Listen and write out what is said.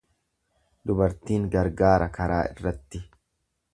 Dubartiin gargaara karaa irratti.